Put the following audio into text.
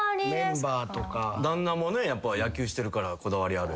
旦那もねやっぱ野球してるからこだわりあるやろうし。